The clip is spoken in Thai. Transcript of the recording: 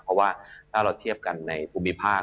เพราะว่าถ้าเราเทียบกันในภูมิภาค